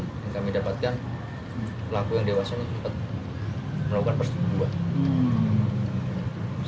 informasi yang kami dapatkan pelaku yang dewasa ini melakukan persebuahan